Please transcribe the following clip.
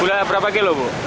gula berapa kilo bu